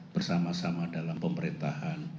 bersama sama dalam pemerintahan